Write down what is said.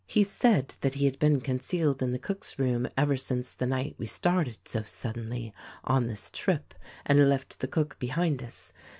He said that he had been concealed in the cook's room ever since the night we started, so sud denly, on this trip and left the cook behind us.